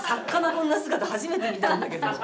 こんな姿初めて見たんだけど。